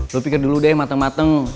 lu pikir dulu deh mateng mateng